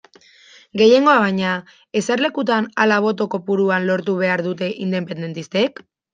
Gehiengoa baina, eserlekutan ala boto kopuruan lortu behar dute independentistek?